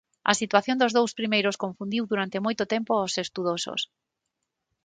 A situación dos dous primeiros confundiu durante moito tempo aos estudosos.